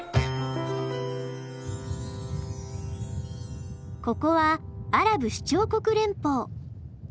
ここはアラブ首長国連邦。